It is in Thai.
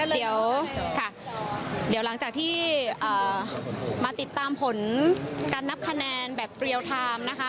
เดี๋ยวค่ะเดี๋ยวหลังจากที่มาติดตามผลการนับคะแนนแบบเรียลไทม์นะคะ